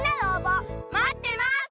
待ってます！